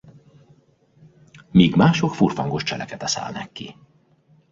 Míg mások furfangos cseleket eszelnek ki.